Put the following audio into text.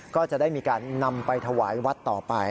ก็จะได้มีการนำไปถวายวัดต่อไป